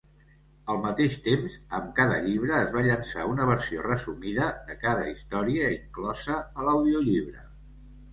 Al mateix temps, amb cada llibre es va llançar una versió resumida de cada història inclosa a l'audiollibre.